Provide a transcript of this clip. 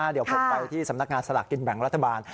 เดี๋ยวผมไปที่สำนักงานสลากกินแบ่งรัฐบาล